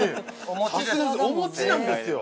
お餅なんですよ。